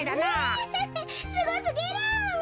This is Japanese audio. すごすぎる。